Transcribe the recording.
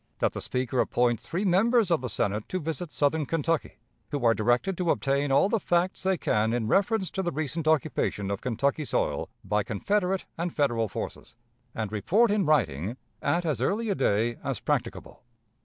That the Speaker appoint three members of the Senate to visit southern Kentucky, who are directed to obtain all the facts they can in reference to the recent occupation of Kentucky soil by Confederate and Federal forces, and report in writing at as early a day as practicable.